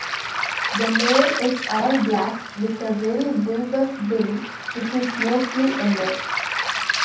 The male is all black with a very bulbous bill which is mostly yellow.